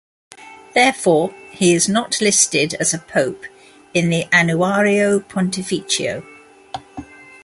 Therefore, he is not listed as a pope in the "Annuario Pontificio".